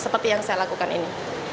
seperti yang saya lakukan ini